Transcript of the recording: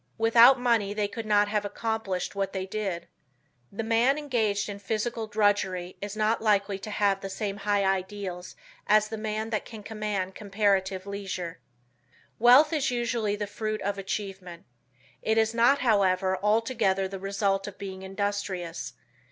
Without money they could not have accomplished what they did. The man engaged in physical drudgery is not likely to have the same high ideals as the man that can command comparative leisure. Wealth is usually the fruit of achievement. It is not, however, altogether the result of being industrious.